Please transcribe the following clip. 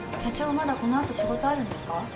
まだこのあと仕事あるんですか？